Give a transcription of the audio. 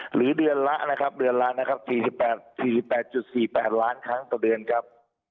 หรือเดือนละนะครับเดือนล้านนะครับ๔๘๔๘๔๘ล้านครั้งต่อเดือนครับ